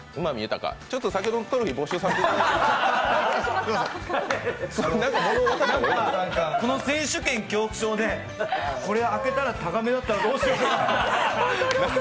ちょっと先ほどのトロフィーお返しいただいてもこの選手権恐怖症で、これ、開けたら、タガメだったらどうしようかなと。